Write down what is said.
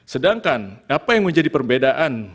sedangkan apa yang menjadi perbedaan